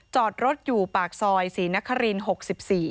จอดรถอยู่ปากซอยศรีนคริน๖๔